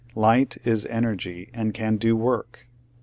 Light is energy, and can do work.